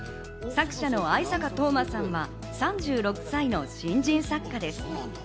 作者の逢坂冬馬さんは３６歳の新人作家です。